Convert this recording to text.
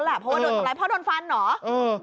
เพราะว่าโดนทำร้ายเพราะโดนฟันเหรอ